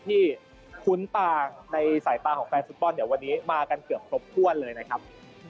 คุ้นตาในสายตาของแฟนฟุตบอลเดี๋ยววันนี้มากันเกือบครบถ้วนเลยนะครับ